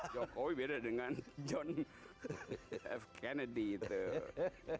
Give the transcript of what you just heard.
jokowi beda dengan john f kennedy itu